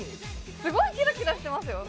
すごいキラキラしてますよ